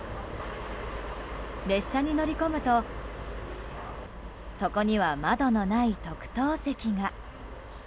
列車に乗り込むとそこには窓のない特等席が。